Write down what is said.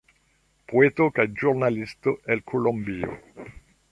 Poeto kaj ĵurnalisto el Kolombio.